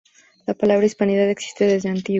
La palabra "hispanidad" existe desde antiguo.